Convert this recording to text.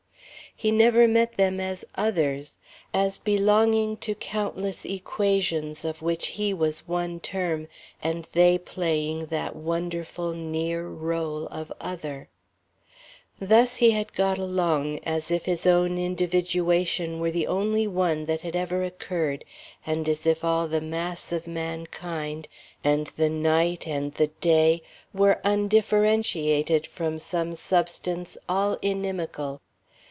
He never met them as Others, as belonging to countless equations of which he was one term, and they playing that wonderful, near rôle of Other. Thus he had got along, as if his own individuation were the only one that had ever occurred and as if all the mass of mankind and the Night and the Day were undifferentiated from some substance all inimical.